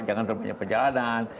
jangan terlalu banyak perjalanan